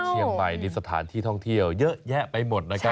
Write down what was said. เชียงใหม่นี่สถานที่ท่องเที่ยวเยอะแยะไปหมดนะครับ